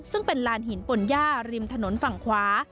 ซึ่งเป็นลานหินปนย่าริมถนนฝั่งขวา